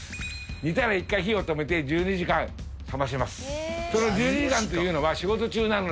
煮たら１回火を止めて１２時間冷まします。